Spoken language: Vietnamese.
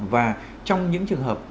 và trong những trường hợp